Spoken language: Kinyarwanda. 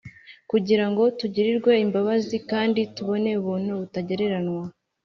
kugira ngo tugirirwe imbabazi kandi tubone ubuntu butagereranywa